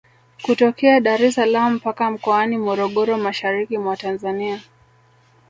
Kutokea Dar es salaam mpaka Mkoani Morogoro mashariki mwa Tanzania